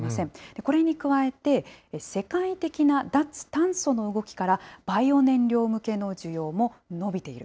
これに加えて、世界的な脱炭素の動きから、バイオ燃料向けの需要も伸びている。